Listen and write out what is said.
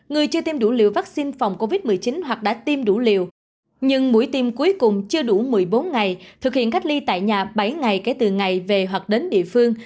người chưa tiêm đủ liều vaccine phòng covid một mươi chín hoặc đã tiêm đủ liều nhưng mũi tiêm cuối cùng chưa đủ một mươi bốn ngày thực hiện cách ly tại nhà bảy ngày kể từ ngày về hoặc đến địa phương